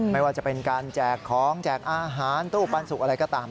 ไม่ว่าจะเป็นการแจกของแจกอาหารตู้ปันสุกอะไรก็ตาม